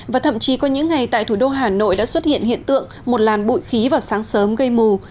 và thậm chí có những ngày tại thủ đô hà nội đã xuất hiện hiện tượng một làn bụi khí vào sáng sớm gây mù